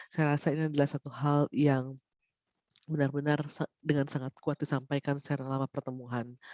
saya rasa ini adalah satu hal yang benar benar dengan sangat kuat disampaikan secara lama pertemuan